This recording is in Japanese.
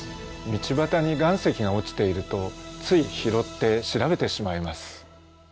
道端に岩石が落ちているとつい拾って調べてしまいます。